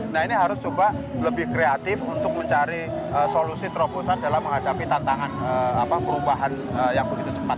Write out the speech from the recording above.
nah ini harus coba lebih kreatif untuk mencari solusi terobosan dalam menghadapi tantangan perubahan yang begitu cepat